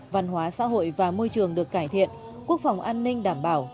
văn hóa xã hội và môi trường được cải thiện quốc phòng an ninh đảm bảo